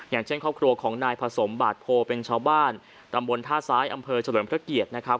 อย่างเช่นครอบครัวของนายผสมบาดโพเป็นชาวบ้านตำบลท่าซ้ายอำเภอเฉลิมพระเกียรตินะครับ